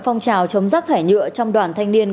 phong trào chống rác thải nhựa trong đoàn thanh niên